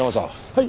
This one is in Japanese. はい。